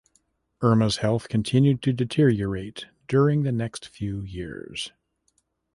Irma's health continued to deteriorate during the next few years.